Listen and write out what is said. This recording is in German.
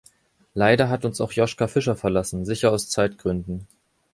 Leider hat uns auch Joschka Fischer verlassen, sicher aus Zeitgründen.